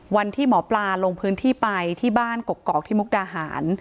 วันที่หมอปลาลงพื้นที่ไปที่บ้านกกอกที่มุกดาหาร